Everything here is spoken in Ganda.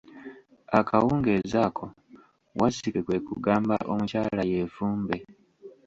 Akawungeezi ako, wazzike kwe kugamba omukyala yeefumbe!